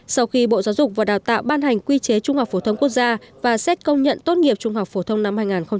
sau khi bộ giáo dục và đào tạo ban hành quy chế trung học phổ thông quốc gia và xét công nhận tốt nghiệp trung học phổ thông năm hai nghìn hai mươi